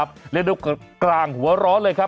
เปิดไฟขอทางออกมาแล้วอ่ะ